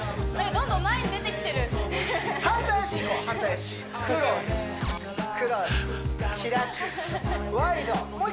どんどん前に出てきてる反対足い